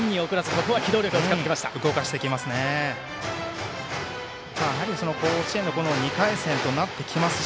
ここは機動力を使ってきました。